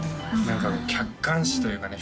何か客観視というかね